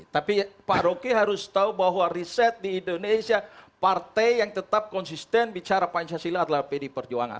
tapi pak rocky harus tahu bahwa riset di indonesia partai yang tetap konsisten bicara pancasila adalah pd perjuangan